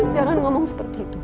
jangan ngomong seperti itu